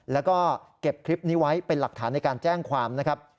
แล้วก็เก็บคลิปนี้ไว้เป็นหลักฐานในการแจ้งความนะครับ